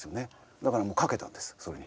だからもう懸けたんですそれに。